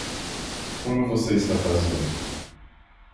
Como você está fazendo?